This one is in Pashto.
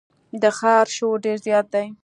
د ښار شور ډېر زیات دی.